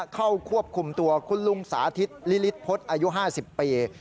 เข้าควบคุมตัวคุณลุงสาธิตลิลิตพฤษอายุ๕๐ปี